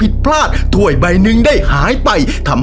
หัวหนึ่งหัวหนึ่ง